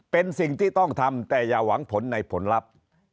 เป็นสิ่งที่ต้องทำแต่อย่าหวังผลในผลลัพธ์